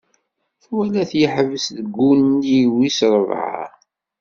Twala-t yeḥbes deg wunnig wisrebɛa.